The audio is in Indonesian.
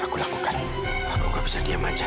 aku lakukan aku gak bisa diam aja